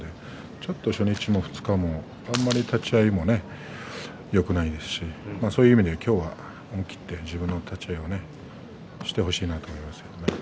ちょっと初日も２日もあんまり立ち合いよくないですしそういう意味で思い切って立ち合いしてほしいと思います。